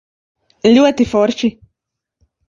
Ļoti forši.